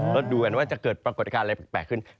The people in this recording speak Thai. ก็ดูกันว่าจะเกิดปรากฏการณ์อะไรแปลกขึ้น